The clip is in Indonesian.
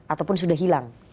ataupun sudah hilang